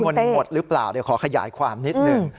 หมดหรือเปล่าเดี๋ยวขอขยายความนิดหนึ่ง